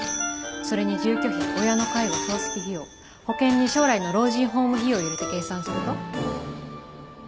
それに住居費親の介護葬式費用保険に将来の老人ホーム費用入れて計算すると？